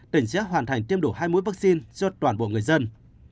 tỉnh sẽ hoàn thành tiêm đủ hai mũi vaccine cho toàn bộ người dân